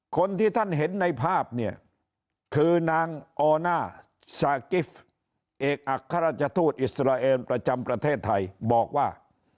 คนที่ท่านเห็นในภาพเนี่ยคือนางออน่าซากิฟต์เอกอัครราชทูตอิสราเอลประจำประเทศไทยบอกว่า